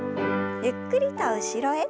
ゆっくりと後ろへ。